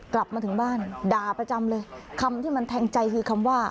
กลับมาถึงบ้านด่าประจำเลยคำที่มันแทงใจคือคำว่า